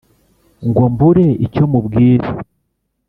Ngo mbure icyo mubwira